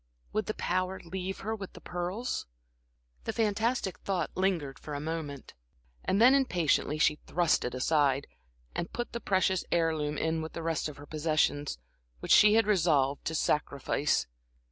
Would the power leave her with the pearls? The fantastic thought lingered for a moment, and then impatiently she thrust it aside, and put the precious heirloom in with the rest of her possessions, which she had resolved to sacrifice.